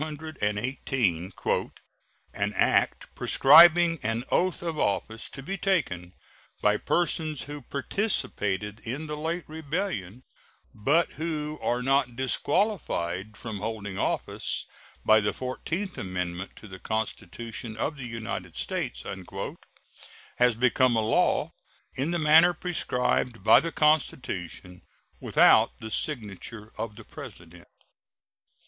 218, "An act prescribing an oath of office to be taken by persons who participated in the late rebellion, but who are not disqualified from holding office by the fourteenth amendment to the Constitution of the United States," has become a law in the manner prescribed by the Constitution, without the signature of the President.